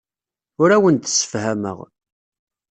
Ur awen-d-ssefhameɣ.